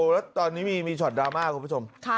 แล้วตอนนี้มีช็อตดราม่าคุณผู้ชม